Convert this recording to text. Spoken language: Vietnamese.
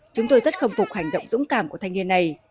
chúng tôi rất khâm phục hành động dũng cảm của thanh niên này